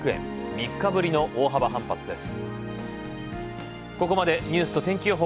３日ぶりの大幅反発です。